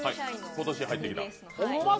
今年入ってきた。